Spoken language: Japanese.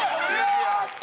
やった！